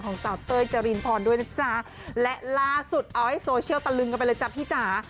สาวเต้ยจรินพรด้วยนะจ๊ะและล่าสุดเอาให้โซเชียลตะลึงกันไปเลยจ้ะพี่จ๋า